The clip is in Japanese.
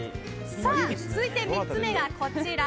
続いて３つ目がこちら。